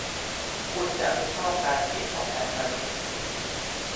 คุณจะไม่ชอบการเขียนของฉันมั้ย